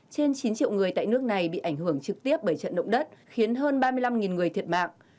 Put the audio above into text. trên chín triệu người tại nước này bị ảnh hưởng trực tiếp bởi trận động đất khiến hơn ba mươi năm người thiệt mạng